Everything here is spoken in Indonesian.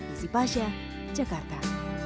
isi pasha jakarta